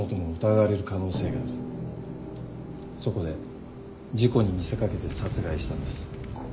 そこで事故に見せ掛けて殺害したんです。